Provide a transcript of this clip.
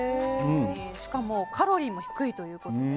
しかも、カロリーも低いということで。